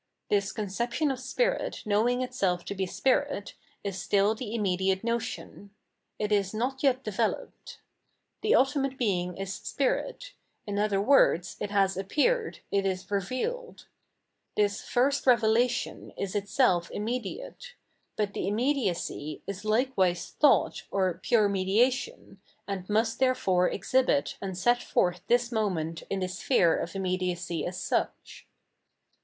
This conception of spirit knowing itself to be spirit, is still the immediate notion ; it is not yet developed. The ultimate Being is spirit ; in other words, it has appeared, it is revealed. This first revelation is itself immediate; but the immediacy is likewise thought, or pure mediation, and must therefore exhibit and set forth this moment in the sphere of immediacy as such.